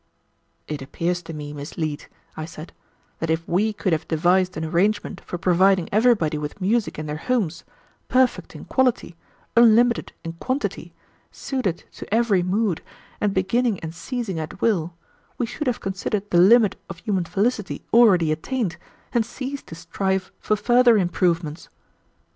"It appears to me, Miss Leete," I said, "that if we could have devised an arrangement for providing everybody with music in their homes, perfect in quality, unlimited in quantity, suited to every mood, and beginning and ceasing at will, we should have considered the limit of human felicity already attained, and ceased to strive for further improvements."